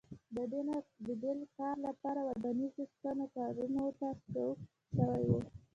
د دې کار لپاره ودانیزو ستنو کارونو ته سوق شوي وای